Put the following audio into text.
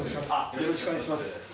よろしくお願いします。